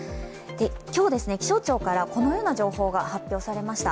今日、気象庁からこのような情報が発表されました。